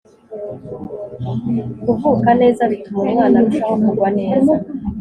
kuvuka neza bituma umwana arushaho kugwa neza